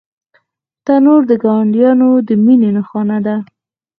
تنور د ګاونډیانو د مینې نښانه ده